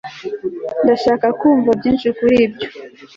ndashaka kumva byinshi kuri ibyo